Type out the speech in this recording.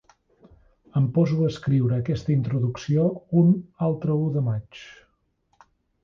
Em poso a escriure aquesta introducció un altre u de maig.